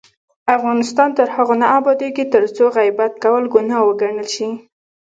افغانستان تر هغو نه ابادیږي، ترڅو غیبت کول ګناه وګڼل شي.